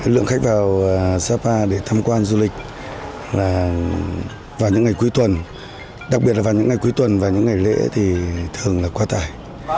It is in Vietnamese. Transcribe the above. lượng khách vào sapa để tham quan du lịch là vào những ngày cuối tuần đặc biệt là vào những ngày cuối tuần và những ngày lễ thì thường là quá tải